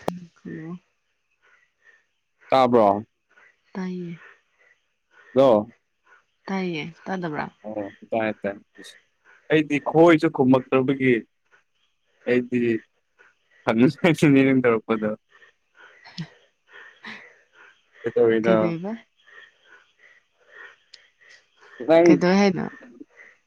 [unintelligible] ꯇꯥꯕ꯭ꯔꯣ ꯇꯥꯏꯅꯦ ꯂꯣ ꯇꯥꯏꯌꯦ ꯇꯥꯗꯕ꯭ꯔꯥ ꯑꯣ ꯇꯥꯏ ꯇꯥꯏ ꯑꯩꯗꯤ ꯈꯣꯏꯁꯨ ꯈꯨꯝꯃꯛꯇꯕꯒꯤ ꯑꯩꯗꯤ [unintelligible] ꯇꯧꯔꯛꯄꯗꯣ [inaudible] ꯀꯩꯇꯧꯔꯤꯅꯣ ꯀꯩꯗꯧꯕ [unintelligible] ꯅꯪ ꯀꯩꯗꯧꯋꯦ ꯍꯥꯏꯅꯣ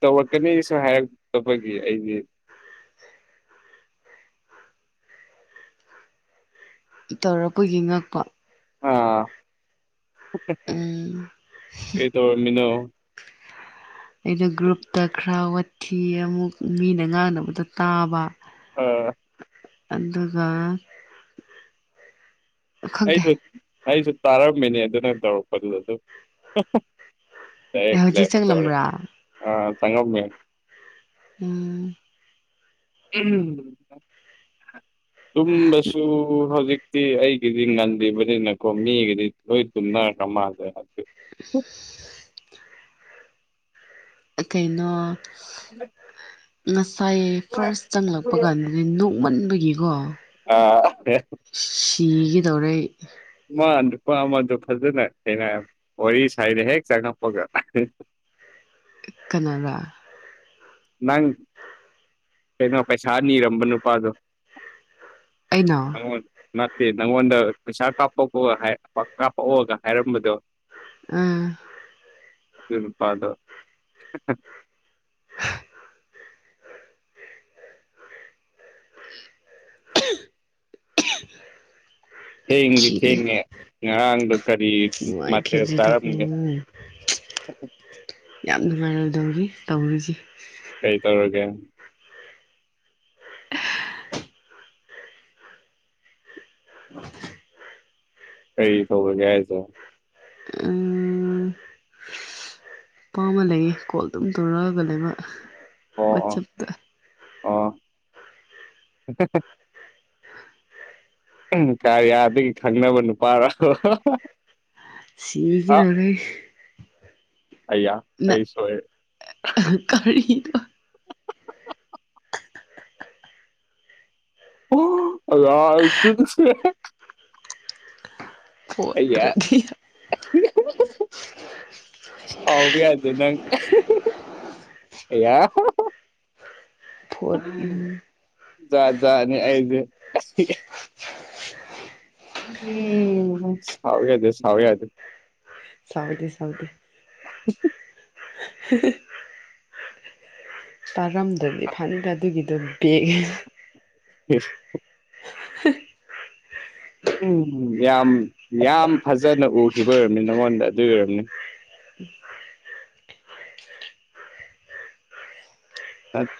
ꯇꯧꯔꯛꯀꯅꯤꯁꯨ ꯍꯥꯏꯔꯛꯇꯄꯒꯤ ꯑꯩꯗꯤ ꯇꯧꯔꯛꯄꯒꯤ ꯉꯛꯄ ꯑꯥ ꯎꯝ ꯀꯩꯇꯧꯔꯝꯃꯤꯅꯣ ꯑꯗ ꯒ꯭ꯔꯨꯞꯇ ꯈꯔ ꯋꯥꯊꯤ ꯑꯃꯨꯛ ꯃꯤꯅ ꯉꯥꯡꯅꯕꯗꯣ ꯇꯥꯕ ꯑꯣ ꯑꯗꯨꯒ ꯈꯪꯗꯦ ꯑꯩꯁꯨ ꯑꯩꯁꯨ ꯇꯥꯔꯝꯃꯤꯅꯦ ꯑꯗꯨꯅ ꯇꯧꯔꯛꯄꯗꯨꯗ ꯑꯗꯨꯝ ꯑꯩ ꯗꯥꯏꯔꯦꯛ ꯍꯧꯖꯤꯛ ꯂꯦꯐ ꯊꯣꯔꯦ ꯆꯪꯂꯝꯕ꯭ꯔꯥ ꯑ ꯆꯪꯉꯝꯃꯦ ꯎꯝ ꯇꯨꯝꯕꯁꯨ ꯍꯧꯖꯤꯛ ꯇꯤ ꯑꯩꯒꯤꯗꯤ ꯉꯟꯗꯕꯅꯤꯅꯀꯣ ꯃꯤꯒꯤꯗꯤ ꯂꯣꯏ ꯇꯨꯝꯅꯔꯈ꯭ꯔ ꯃꯥꯜꯂꯦ [inaudible] ꯑꯦ ꯀꯩꯅꯣ [inaudible] [inaudible] ꯅꯁꯥꯏ ꯐꯥꯔ꯭ꯁ ꯆꯪꯂꯛꯄ ꯀꯥꯟꯗꯗꯤ ꯅꯣꯛꯃꯟꯕꯒꯤꯀꯣ ꯑꯥ ꯁꯤꯒꯗꯧꯔꯦ ꯑꯩ ꯑꯃ ꯅꯨꯄꯥ ꯑꯃꯗꯣ ꯐꯖꯅ ꯊꯦꯡꯅꯩ ꯋꯥꯔꯤ ꯁꯥꯏꯅꯦ ꯍꯦꯛ ꯆꯪꯉꯛꯄꯒ ꯀꯅꯥꯔꯥ ꯅꯪ ꯀꯩꯅꯣ ꯄꯩꯁꯥ ꯅꯤꯔꯝꯕ ꯅꯨꯄꯥꯗꯣ ꯑꯩꯅ ꯅꯉꯣꯟ ꯅꯠꯇꯦ ꯅꯪꯉꯣꯟꯗ ꯄꯩꯁꯥ ꯀꯥꯞꯄꯛꯑꯣ ꯍꯥꯏ ꯀꯥꯞꯄꯛꯑꯣꯒ ꯍꯥꯏꯔꯝꯕꯗꯣ ꯑꯝ ꯑꯗꯨ ꯅꯨꯄꯥꯗꯣ ꯑꯍꯍ [inaudible] ꯊꯦꯡꯗꯤ ꯈꯤꯔꯦ ꯊꯦꯡꯉꯦ ꯉꯔꯥꯡꯗꯣ ꯀꯔꯤ ꯑꯩ ꯅꯨꯡꯉꯥꯏ ꯃꯊꯦꯜ ꯈꯤꯗꯔꯦꯗꯀꯣ ꯆꯥꯔꯝꯒꯦ ꯌꯥꯝ ꯅꯨꯡꯉꯥꯏꯔꯗꯧꯔꯤ ꯇꯧꯔꯤꯁꯦ ꯀꯩ ꯇꯧꯔꯒꯦ ꯀꯩ ꯇꯧꯔꯒꯦ ꯍꯥꯏꯁꯦ ꯎꯝ ꯂꯩꯌꯦ ꯀꯣꯜ ꯑꯗꯨꯝ ꯇꯧꯔꯛꯑꯒ ꯂꯩꯕ ꯑꯣ ꯑꯣ ꯋꯥꯆꯞꯇ ꯑꯣ [unintelligible] ꯎꯝ ꯀꯥꯔꯌꯥꯗꯒꯤ ꯈꯪꯅꯕ ꯅꯨꯄꯥꯔ ꯁꯤꯕꯤꯒꯗꯧꯔꯦ ꯑꯩꯌꯥ ꯑꯩ ꯁꯣꯏꯔꯦ ꯀꯔꯤꯅꯣ [unintelligible] ꯑꯩꯒꯤꯌꯥ ꯐꯣꯠꯇ꯭ꯔꯗꯤ [inaudible] ꯁꯥꯎꯕ ꯌꯥꯗꯦ ꯅꯪ ꯑꯍꯍꯍ ꯑꯦꯌꯥ ꯍꯍꯍ ꯐꯣꯠ ꯌꯥ ꯆꯅꯤ ꯑꯩꯖꯦ ꯎꯝ ꯁꯥꯎ ꯌꯥ ꯑꯗꯨ ꯁꯋ ꯌꯥ ꯑꯗꯨ ꯁꯥꯎꯗꯤ ꯁꯥꯎꯗꯤ ꯆꯥꯔꯝꯗ꯭ꯔꯗꯤ ꯐꯅꯤꯗ ꯑꯗꯨꯒꯤꯗꯣ ꯕꯦꯒ ꯁ ꯎꯝ ꯌꯥꯝ ꯌꯥꯝ ꯐꯖꯅ ꯎꯈꯤꯕ ꯑꯣꯏꯔꯝꯅꯤ ꯅꯉꯣꯟꯗ ꯑꯗꯨ ꯑꯣꯏꯔꯝꯅꯤ ꯑꯠ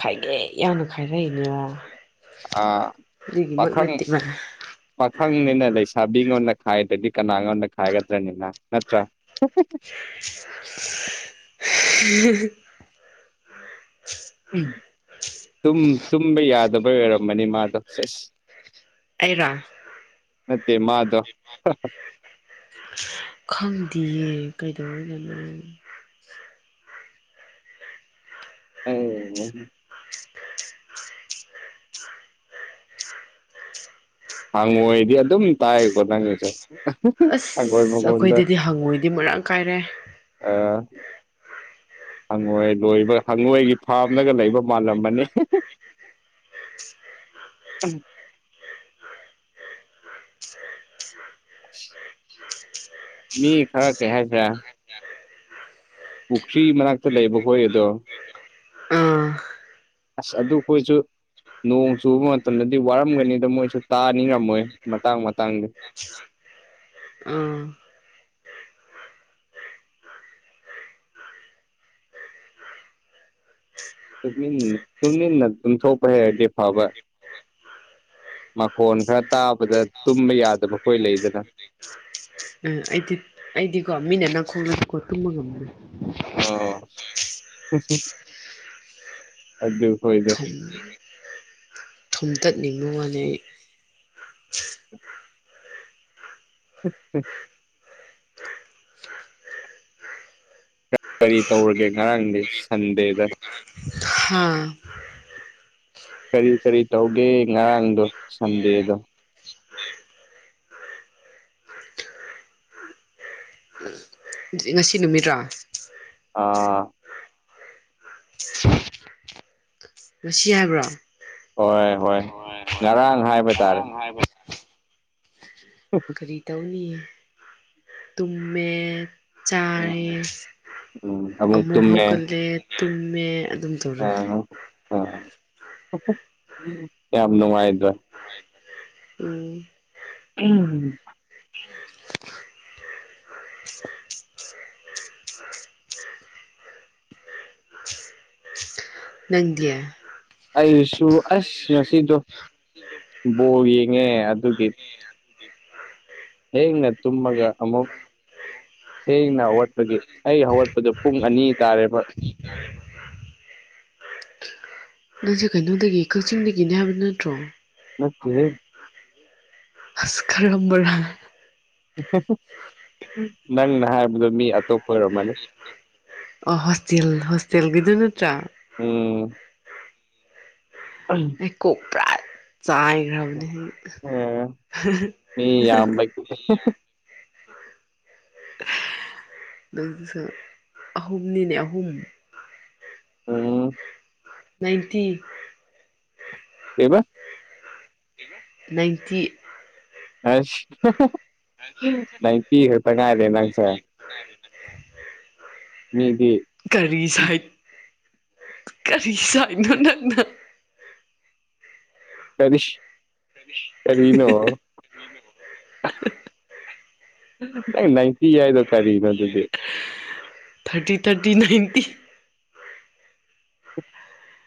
ꯈꯥꯏꯉꯦ ꯌꯥꯎꯅ ꯈꯥꯏꯔꯛꯏꯅꯦꯕ ꯑ ꯑꯗꯨꯒꯤꯃꯛ ꯄꯥꯈꯪ ꯅꯠꯇꯦꯕ ꯄꯥꯈꯪꯅꯤꯅ ꯂꯩꯁꯥꯕꯤꯉꯣꯟꯗ ꯈꯥꯏꯗ꯭ꯔꯗꯤ ꯀꯅꯥ ꯉꯣꯟꯗ ꯈꯥꯏꯒꯗ꯭ꯔꯅꯤꯅ ꯅꯠꯇ꯭ꯔꯥ [inaudible] ꯍꯝꯍꯝꯍꯝꯍ ꯇꯨꯝ ꯇꯨꯝꯕ ꯌꯥꯗꯕꯩ ꯑꯣꯏꯔꯝꯕꯅꯤ ꯃꯥꯗꯣ ꯁꯦꯁ ꯑꯩꯔꯣ ꯅꯠꯇꯦ ꯃꯥꯗꯣ [inaudible] ꯈꯪꯗꯦꯌꯦ ꯀꯩꯗꯧꯔꯗꯅ ꯑ ꯍꯪꯉꯣꯏꯗꯤ ꯑꯗꯨꯝ ꯇꯥꯏꯀꯣ ꯅꯪꯒꯤꯁꯦ ꯍꯪꯉꯣꯏ ꯑꯁ ꯃꯈꯣꯟꯗ ꯑꯩꯈꯣꯏꯗꯗꯤ ꯍꯪꯉꯣꯏꯗꯤ ꯃꯔꯥꯡ ꯀꯥꯏꯔꯦ ꯑ ꯍꯪꯉꯣꯏ ꯂꯣꯏꯕ ꯍꯪꯉꯣꯏꯒꯤ ꯐꯥꯝꯅꯒ ꯂꯩꯕ ꯃꯥꯜꯂꯝ ꯑꯅꯤ [inaudible] ꯃꯤ ꯈꯔ ꯀꯍꯁ ꯄꯨꯈ꯭ꯔꯤ ꯃꯅꯥꯛꯇ ꯂꯩꯕ ꯍꯣꯏ ꯑꯗꯣ ꯎꯝ ꯑꯁ ꯑꯗꯨ ꯑꯩꯈꯣꯏꯁꯨ ꯅꯣꯡ ꯆꯨꯕ ꯃꯇꯝꯗꯗꯤ ꯋꯥꯔꯝꯒꯅꯤꯗ ꯃꯣꯏꯁꯨ ꯇꯥꯅꯤ ꯉꯝꯃꯣꯏ ꯃꯇꯥꯡ ꯃꯇꯥꯡꯗꯤ ꯎ ꯑꯥ ꯇꯨꯃꯤꯟꯅ ꯇꯨꯃꯤꯟꯅ ꯇꯨꯝꯊꯣꯛꯄ ꯍꯔꯗꯤ ꯐꯕ ꯃꯈꯣꯟ ꯈꯔ ꯇꯥꯕꯗ ꯇꯨꯝꯕ ꯌꯥꯗꯕ ꯑꯩꯈꯣꯏ ꯂꯩꯗꯅ ꯎ ꯎꯝ ꯑꯩꯗꯤ ꯑꯩꯗꯤꯀꯣ ꯃꯤꯅ ꯅꯅꯥꯈꯣꯡꯅꯗꯤꯀꯣ ꯇꯨꯝꯕ ꯉꯝꯕꯅꯤ ꯑ ꯑꯗꯨ ꯍꯣꯏꯗ ꯊꯨꯝ ꯊꯨꯝꯇꯠꯅꯤꯡꯕ ꯋꯥꯅꯩ ꯎꯝ ꯎꯝ ꯀꯔꯤ ꯇꯧꯔꯒꯦ ꯉꯔꯥꯡꯗꯤ ꯁꯟꯗꯦꯗ [inaudible] ꯍꯥꯥ ꯀꯔꯤ ꯀꯔꯤ ꯇꯧꯒꯦ ꯉꯔꯥꯡꯗꯣ ꯁꯟꯗꯦꯗꯣ ꯉꯁꯤ ꯅꯨꯃꯤꯠꯔꯥ ꯑ ꯂꯁꯤ ꯍꯥꯏꯕ꯭ꯔꯣ ꯍꯣꯏ ꯍꯣꯏ ꯉꯔꯥꯡ ꯍꯥꯏꯕ ꯇꯥꯔꯦ ꯍꯕ ꯎꯝ ꯐꯔꯤ ꯇꯧꯅꯤ ꯇꯨꯃꯦ ꯎꯝ ꯆꯥꯏꯔꯦ ꯎꯝ ꯑꯃꯨꯛ ꯇꯨꯝꯃꯦ ꯍꯧꯒꯠꯂꯦ ꯇꯨꯝꯃꯦ ꯑꯗꯨꯝ ꯇꯧꯔ ꯂꯩ ꯑ ꯌꯥꯝ ꯅꯨꯡꯉꯥꯏꯗ꯭ꯔ ꯎꯝ ꯎꯝ ꯅꯪꯗꯤꯌꯥ ꯑꯩꯁꯨ ꯑꯁ ꯉꯁꯤꯗꯣ ꯕꯣꯔ ꯌꯦꯡꯉꯦ ꯑꯗꯨꯒꯤ ꯍꯡꯅꯦ ꯇꯨꯝꯃꯒ ꯑꯃꯃꯨꯛ ꯊꯦꯡꯅ ꯍꯧꯋꯥꯠꯄꯒꯤ ꯑꯩ ꯍꯧꯋꯥꯠꯄꯗꯣ ꯄꯨꯡ ꯑꯅꯤ ꯇꯥꯔꯦꯕ ꯅꯪꯁꯦ ꯀꯩꯅꯣꯗꯒꯤ ꯀꯛꯆꯤꯡꯗꯒꯤꯅꯦ ꯍꯥꯏꯕ ꯅꯠꯇ꯭ꯔꯣ ꯅꯠꯇ ꯍꯁ ꯈꯔꯝꯕꯔ ꯅꯪꯅ ꯍꯥꯏꯕꯗꯣ ꯃꯤ ꯑꯇꯣꯞꯄ ꯑꯣꯏꯔꯝꯃꯅꯤ ꯑꯣ ꯍꯣꯁꯇꯦꯜ ꯍꯣꯁꯇꯦꯜꯒꯤꯗꯨ ꯅꯠꯇ꯭ꯔꯥ ꯎꯝ ꯑꯝ ꯍꯩꯀꯣꯛ ꯄꯨꯔꯥ ꯆꯥꯏꯈ꯭ꯔꯕꯅꯤ ꯎꯝ ꯁꯨ ꯑꯍꯨꯝꯅꯤꯅꯦ ꯑꯍꯨꯝ ꯎꯝ ꯅꯥꯏꯟꯇꯤ ꯀ ꯏꯟꯇꯤ ꯑꯁ ꯅꯪ ꯄꯤ ꯈꯛꯇ ꯉꯥꯏꯔꯦ ꯅꯪꯁꯦ ꯃꯤꯗꯤ ꯀꯔꯤ ꯁꯥꯏꯠ ꯀꯔꯤ ꯁꯥꯏꯠꯅꯣ ꯅꯪꯅ ꯀꯔꯤ ꯀꯔꯤꯅ ꯅꯇ ꯌꯥꯗ thirty thirty ninety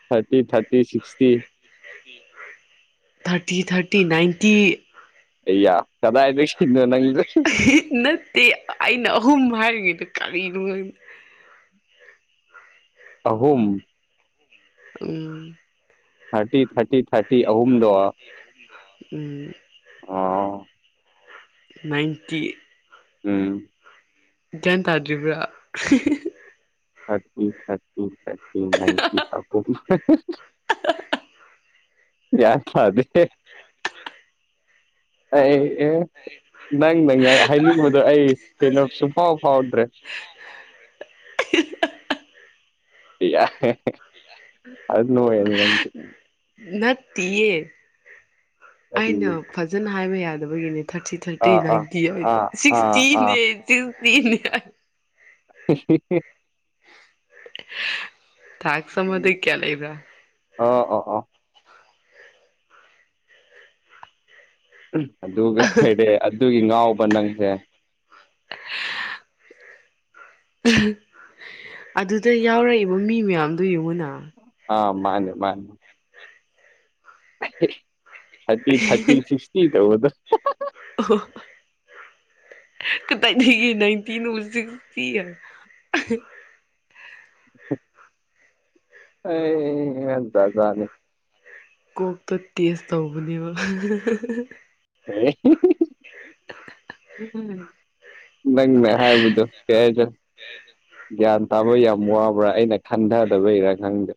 thirty thirty sixty um thirty thirty ninety ꯑꯌꯥ ꯀꯗꯥ ꯏꯗꯤ ꯅꯠꯇꯦ ꯑꯩꯅ ꯑꯍꯨꯝ ꯍꯥꯏꯔꯤꯉꯩꯗ ꯀꯔꯤꯅꯣ ꯍꯥꯏꯅꯣ ꯑꯍꯨꯝ ꯎꯝ ꯊꯥꯔꯇꯤ ꯊꯥꯔꯇꯤ ꯊꯥꯔꯇꯤ ꯑꯍꯨꯝꯗ ꯎꯝ ꯑꯥ ꯅꯥꯏꯟꯇꯤ ꯎꯝ ꯒ꯭ꯌꯥꯟ ꯇꯥꯗ꯭ꯔꯤꯕ꯭ꯔꯥ ꯊꯔꯇꯤ ꯊꯔꯇꯤ ꯊꯇꯤ ꯅꯥꯟꯇꯤ ꯑꯄ ꯌꯥꯗ ꯑꯩ ꯑꯦ ꯅꯪ ꯅꯪ ꯍꯥꯏꯅꯤꯡꯕꯗꯣ ꯑꯩ ꯀꯩꯅꯣ ꯁꯨꯡꯐꯥꯎ ꯐꯥꯎꯗ꯭ꯔꯦ ꯑꯗꯨ ꯅꯣꯅꯗꯤ ꯅ ꯌꯦ ꯑꯩꯅ ꯀꯔꯤꯅꯣ ꯐꯖꯅ ꯍꯥꯏꯕ ꯌꯥꯗꯕꯒꯤꯅꯦ ꯊꯥꯔꯇꯤ ꯊꯥꯔꯇꯤ ꯑꯥ ꯑꯥ ꯅꯥꯏꯟꯇꯤ ꯑꯥ ꯑꯣꯏꯗ ꯑꯥ ꯑꯥ ꯁꯤꯛꯁꯇꯤꯅꯦ ꯇꯅ ꯦ ꯊꯥꯛ ꯁꯃꯗ ꯀꯌꯥ ꯂꯩ ꯏꯕ ꯑꯣ ꯑꯣ ꯑꯣ ꯑꯗꯨꯒ ꯑꯣꯏꯔꯦ ꯑꯗꯨꯒꯤ ꯉꯥꯎꯕ ꯅꯪꯁꯦ ꯑꯗꯨꯗ ꯌꯥꯎꯔꯛꯏꯕ ꯃꯤ ꯃꯌꯥꯝꯗꯨꯣ ꯌꯦꯡꯉꯨꯅ ꯑ ꯃꯥꯅꯦ ꯃꯥꯅꯦ ꯊꯥꯇꯤ ꯊꯥꯇꯤ ꯁꯤꯛꯁꯇꯤ ꯇꯧꯕꯗꯣ ꯀꯗꯥꯥꯏꯗꯒꯤ ꯅꯪꯇꯤ ꯅꯣꯖꯤ ꯄꯤ ꯑꯩ ꯖꯥꯠ ꯖꯥꯠꯅꯦ ꯀꯣꯛꯇꯣ ꯇꯦꯁ ꯇꯧꯕꯅꯦꯕ ꯑꯦ ꯅꯪꯅ ꯍꯥꯏꯕꯗꯣ ꯀꯩ ꯍꯥꯏꯒ꯭ꯔꯦ ꯒ꯭ꯌꯥꯟ ꯇꯥꯕ ꯌꯥꯝ ꯋꯥꯕ꯭ꯔꯥ ꯑꯩꯅ ꯈꯟꯗꯗꯕꯩꯔꯥ ꯈꯪꯗꯦ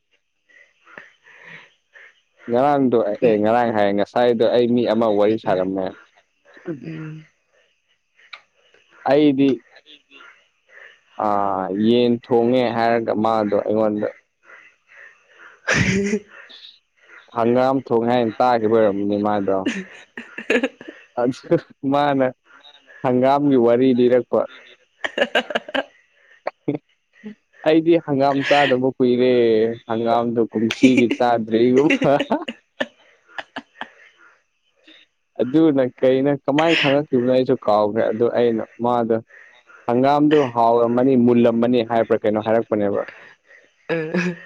[unintelligible] ꯉꯔꯥꯡꯗꯣ ꯑꯦ ꯑꯦ ꯉꯔꯥꯡ ꯍꯥꯏ ꯉꯁꯥꯏꯗꯣ ꯑꯩ ꯃꯤ ꯑꯃ ꯋꯥꯔꯤ ꯁꯥꯔꯝꯃꯦ ꯎꯝ ꯑꯩꯗꯤ ꯑꯗꯨ ꯐ ꯑꯥ ꯌꯦꯟ ꯊꯣꯡꯉꯦ ꯍꯥꯏꯔꯒ ꯃꯥꯗꯣ ꯑꯩꯉꯣꯟꯗ ꯍ ꯍꯪꯒꯥꯝ ꯊꯣꯡꯉꯦ ꯍꯥꯏꯅ ꯇꯥꯈꯤꯕ ꯑꯣꯏꯔꯝꯕꯅꯦ ꯃꯥꯗꯣ [unintelligible] ꯑ ꯃꯥꯅꯦ ꯍꯪꯒꯥꯝꯒꯤ ꯋꯥꯔꯤ ꯂꯤꯔꯛꯄ [unintelligible] ꯑꯩꯗꯤ ꯍꯪꯒꯥꯝ ꯆꯥꯗꯕ ꯀꯨꯏꯔꯦ ꯍꯪꯒꯥꯝꯗꯣ ꯀꯨꯝꯁꯤꯒꯤ ꯆꯥꯗ꯭ꯔꯤꯌꯨꯝ [unintelligible] ꯑꯗꯨꯅ ꯀꯩꯅꯣ ꯀꯃꯥꯏ ꯈꯪꯉꯛꯈꯤꯕꯅꯣ ꯑꯩꯁꯨ ꯀꯥꯎꯈ꯭ꯔꯦ ꯑꯗꯨ ꯑꯩꯅ ꯃꯥꯗꯣ ꯍꯪꯒꯥꯝꯗꯨ ꯍꯥꯎꯔꯝꯃꯅꯤ ꯃꯨꯜꯂꯝꯃꯅꯤ ꯍꯥꯏꯕ꯭ꯔꯥ ꯀꯩꯅꯣ ꯍꯥꯏꯔꯛꯄꯅꯦꯕ ꯎꯝ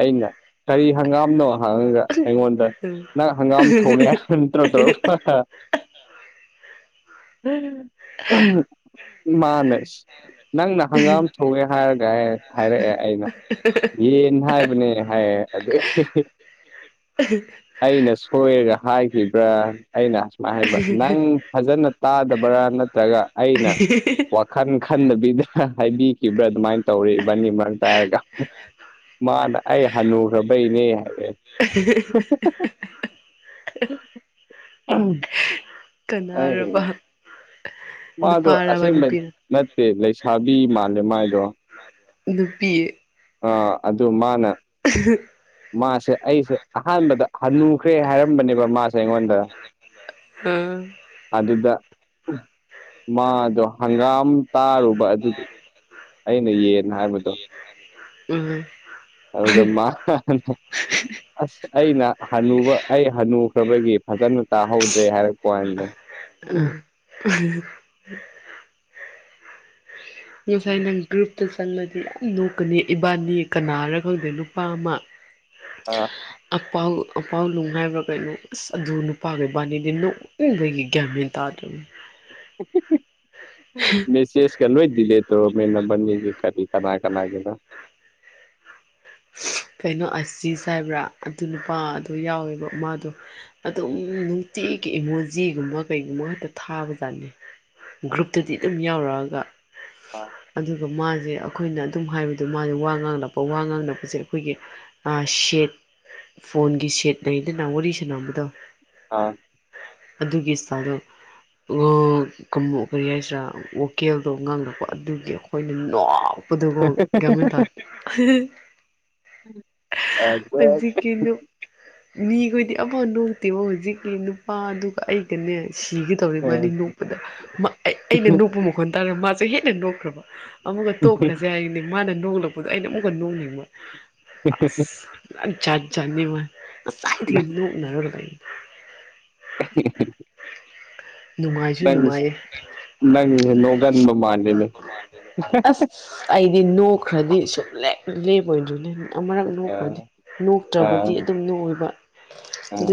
ꯑꯩꯅ ꯀꯔꯤ ꯍꯪꯒꯥꯝꯅꯣ ꯍꯥꯡꯉꯒ ꯑꯩꯉꯣꯟꯗ ꯅꯪ ꯍꯪꯒꯥꯝ ꯊꯣꯡꯉꯦ ꯈꯟ ꯇ‌꯭ꯔꯣ ꯇ‌꯭ꯔꯣ ꯍꯥ ꯍꯥ ꯃꯥꯅ ꯏꯁ ꯅꯪꯅ ꯍꯪꯒꯥꯝ ꯊꯣꯛꯉꯦ ꯍꯥꯏꯔꯒ ꯍꯦ ꯍꯥꯏꯔꯛꯑꯦ ꯑꯩꯅ ꯌꯦꯟ ꯍꯥꯏꯕꯅꯦ ꯍꯥꯏꯌꯦ ꯑꯗꯩ ꯑꯩꯅꯁꯨ ꯍꯣꯏꯔꯒ ꯍꯥꯏꯒꯤꯕ꯭ꯔꯥ ꯑꯩꯅ ꯁꯨꯃꯥꯏ ꯍꯥꯏꯕ ꯅꯪ ꯐꯖꯅ ꯇꯥꯗꯕ꯭ꯔꯥ ꯅꯠꯇ꯭ꯔꯒ ꯑ ꯑꯩꯅ ꯋꯥꯈꯟ ꯈꯟꯗꯕꯤ ꯕꯤꯗ ꯍꯥꯏꯕꯤꯈꯤꯕ꯭ꯔꯥ ꯑꯗꯨꯃꯥꯏ ꯇꯧꯔꯦ ꯏꯕꯥꯅꯤ ꯃꯔꯛꯇ ꯍꯥꯏꯔꯒ ꯃꯥꯅ ꯑꯩ ꯍꯟꯅꯨꯔꯕꯩꯅꯦ ꯍꯥꯏꯔꯛꯑꯦ ꯎꯝ ꯀꯅꯥꯔꯕ ꯃꯥꯗꯣ ꯅꯨꯄꯥꯔꯕ ꯑꯁꯦꯡꯕ ꯅꯨꯄꯤꯔ ꯅꯠꯇꯦ ꯂꯩꯁꯥꯕꯤ ꯃꯥꯜꯂꯦ ꯃꯥꯏꯗꯣ ꯅꯨꯄꯤ ꯑꯥ ꯑꯗꯨ ꯃꯥꯅ ꯎ [unintelligible] ꯃꯥꯁꯦ ꯑꯩꯁꯦ ꯑꯍꯥꯟꯕꯗ ꯍꯟꯅꯨꯈ꯭ꯔꯦ ꯍꯥꯏꯔꯝꯕꯅꯦꯕ ꯃꯥꯁꯦ ꯑꯩꯉꯣꯟꯗ ꯑ ꯑꯗꯨꯗ ꯃꯥꯗꯣ ꯍꯪꯒꯥꯝ ꯇꯥꯔꯨꯕ ꯑꯗꯨꯒꯤ ꯑꯩꯅ ꯌꯦꯟ ꯍꯥꯏꯕꯗꯣ ꯎꯝ ꯑꯗꯨꯗ ꯃꯥꯅ NO WORD [unintelligible] ꯑꯁ ꯑꯩꯅ ꯍꯟꯅꯨꯕ ꯑꯩ ꯍꯟꯅꯨꯈ꯭ꯔꯕꯒꯤ ꯐꯖꯅ ꯇꯥꯍꯧꯗ꯭ꯔꯦ ꯍꯥꯏꯔꯛꯄ ꯋꯥꯅꯤꯗ ꯑ ꯎꯝ [unintelligible] ꯎ ꯐꯥꯏꯅ [unintelligible] ꯒ꯭ꯔꯨꯞꯇ ꯆꯪꯂꯗꯤ ꯌꯥꯝ ꯅꯣꯛꯀꯅꯤ ꯏꯕꯥꯅꯤ ꯀꯅꯥꯔ ꯈꯪꯗꯦ ꯅꯨꯄꯥ ꯑꯃ ꯑꯥ ꯑꯄꯥꯎ ꯑꯄꯥꯎ ꯅꯨꯡ ꯍꯥꯏꯕ꯭ꯔꯥ ꯀꯩꯅꯣ ꯑꯁ ꯑꯗꯨ ꯅꯨꯄꯥꯗꯨꯒ ꯏꯕꯥꯅꯤ ꯅ‍ꯣ ꯅ‍ꯣꯛꯅꯤꯡꯕꯒꯤ ꯒꯦꯟ ꯃꯦꯟ ꯇꯥꯗꯔꯕꯅꯦ ꯃꯦꯁꯦ [unintelligible] ꯂ‌ꯣꯏ ꯗꯤꯂ‍ꯦꯠ ꯇꯧꯔꯝꯃꯦ ꯅꯕꯅꯤꯒꯤ ꯀꯔꯤ ꯀꯅꯥ ꯀꯅꯥꯒꯤꯅꫭ ꯀꯩꯅꯣ ꯑꯁꯤꯁ ꯍꯥꯏꯕ꯭ꯔꯥ ꯑꯗꯨ ꯅꯨꯄꯥꯗꯣ ꯌꯥꯎꯋꯦꯕ ꯃꯥꯗꯣ ꯑꯗꯨꯝ ꯅꯨꯡꯇꯤꯒꯤ ꯏꯃꯣꯖꯤꯒꯨꯝꯕ ꯀꯩꯒꯨꯝꯕ ꯈꯛꯇ ꯊꯥꯕꯖꯥꯠꯅꯤ ꯒ꯭ꯔꯨꯞꯇꯗꯤ ꯑꯗꯨꯝ ꯌꯥꯎꯔꯛꯑꯒ ꯑ ꯑꯗꯨꯒ ꯃꯥꯖꯦ ꯑꯈꯣꯏꯅ ꯑꯗꯨꯝ ꯍꯥꯏꯕꯗꯣ ꯃꯥꯖꯦ ꯋꯥ ꯉꯥꯡꯂꯛꯄ ꯋꯥ ꯉꯥꯡꯂꯛꯄꯁꯦ ꯑꯈꯣꯏꯒꯤ ꯑ ꯁꯦꯠ ꯐꯣꯟꯒꯤ ꯁꯦꯠ ꯂꯩꯗꯅ ꯋꯥꯔꯤ ꯁꯥꯟꯅꯕꯗꯣ ꯑꯥ ꯑꯗꯨꯒꯤ ꯏꯁꯇꯥꯏꯜꯗꯣ ꯎꯝ ꯀꯝꯕꯨ ꯀꯔꯤ ꯍꯥꯏꯁꯤꯔꯥ ꯀꯦꯜꯗꯣ ꯉꯥꯡꯂꯛꯄ ꯑꯗꯨꯒꯤ ꯑꯩꯈꯣꯏꯅ ꯅꯣꯛꯄꯗꯀꯣ ꯒ꯭ꯌꯥꯟꯃꯦꯟ ꯇꯥꯗꯦ ꯎꯝ ꯍꯧꯖꯤꯛꯀꯤꯅꯨ ꯃꯤꯈꯣꯏꯗꯤ ꯑꯐ ꯅꯣꯛꯇꯦꯕ ꯍꯧꯖꯤꯛꯀꯤ ꯅꯨꯄꯥꯗꯨꯒ ꯑꯩꯒꯅꯦ ꯁꯤꯒꯅꯤ ꯇꯧꯔꯤ ꯃꯥꯅꯤ ꯅꯣꯛꯄꯗ ꯑꯩꯅ ꯅꯣꯛꯄ ꯃꯈꯣꯟ ꯇꯥꯔꯒ ꯃꯥꯁꯦ ꯍꯦꯟꯅ ꯅꯣꯛꯈ꯭ꯔꯕ ꯑꯃꯨꯛꯀ ꯇꯣꯛꯈ꯭ꯔꯁꯦ ꯍꯥꯏꯔꯤꯅꯦ ꯃꯥꯅ ꯅꯣꯡꯂꯛꯄꯗꯣ ꯑꯩꯅ ꯑꯃꯨꯛꯀ ꯅꯣꯛꯅꯤꯡꯕ ꯑꯁ ꯄꯨꯔ ꯖꯥꯠ ꯖꯥꯠꯅꯤ ꯃꯥꯏ ꯉꯁꯥꯏꯗꯩ ꯅ‌ꯣꯛꯅꯔꯒ ꯂꯩ ꯅꯨꯡꯉꯥꯏꯁꯨ ꯅꯪ ꯅꯨꯡꯉꯥꯏꯌꯦ ꯅꯪꯁꯦ ꯅꯣꯛꯒꯟꯕ ꯃꯥꯜꯂꯤꯅꯦ ꯑꯁ ꯑꯩꯗꯤ ꯅꯣꯛꯈ꯭ꯔꯗꯤ ꯁꯨꯝ ꯂꯦꯞ ꯂꯦꯞꯄꫭꯏꯗꯔꯤꯅꯤ ꯑꯃꯨꯔꯛ ꯅꯣꯛꯈ꯭ꯔꯗꯤ ꯑꯥ ꯑꯥ ꯅꯣꯛꯇ꯭ꯔꯕꯨꯗꯤ ꯑꯗꯨꯝ ꯅꯣꯛꯑꫭꯏꯕ ꯑꯥ ꯑꯗꯨ